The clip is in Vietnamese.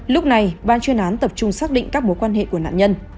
lúc này ban chuyên án tập trung xác định các mối quan hệ của nạn nhân